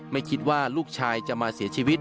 ไม่คิดว่าลูกชายจะมาเสียชีวิต